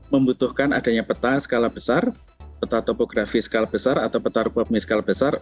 membutuhkan adanya peta skala besar peta topografi skala besar atau peta topografi skala besar